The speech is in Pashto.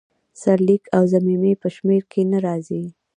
سرلیک او ضمیمې په شمیر کې نه راځي.